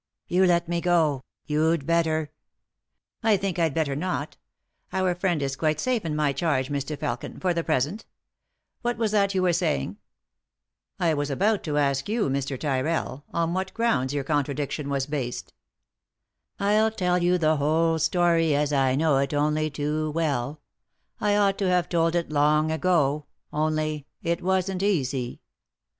" You let me go ; you'd better !" "I think I'd better not Our friend is quite safe in my charge, Mr. Felkin, for the present What was that you were saying ?" "I was about to ask you, Mr. Tyrrell, on what grounds your contradiction was based." " I'll tell you the whole story, as I know it only too well ; I ought to have told it long ago, only — it wasn't easy."